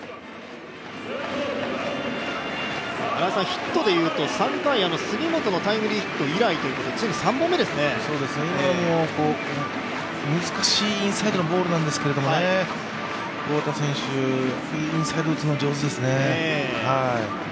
ヒットでいうと、３回、杉本のタイムリーヒット以来、難しいインサイドのボールなんですけどね、太田選手、インサイド打つの上手ですね。